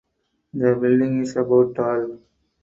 The building is about tall.